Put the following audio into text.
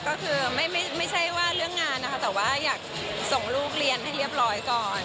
ก็คือไม่ใช่ว่าเรื่องงานนะคะแต่ว่าอยากส่งลูกเรียนให้เรียบร้อยก่อน